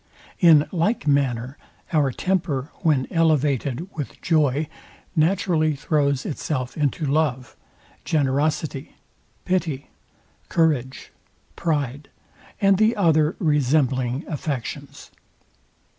In like manner our temper, when elevated with joy, naturally throws itself into love, generosity, pity, courage, pride, and the other resembling affections.